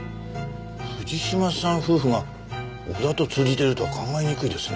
藤島さん夫婦が小田と通じてるとは考えにくいですね。